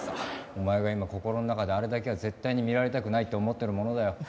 お前が今心の中であれだけは絶対に見られたくないって思ってるものだよ。